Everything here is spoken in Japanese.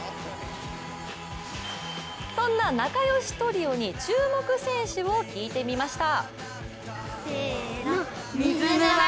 そんな仲良しトリオに注目選手を聞いてみました。